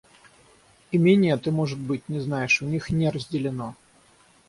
Имение, ты, может быть, не знаешь, у них не разделено.